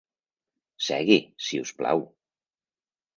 Segui, si us plau.